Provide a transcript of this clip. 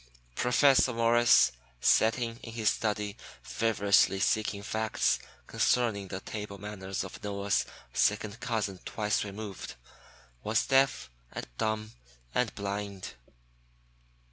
Professor Morris, sitting in his study feverishly seeking facts concerning the table manners of Noah's second cousin twice removed, was deaf and dumb and blind.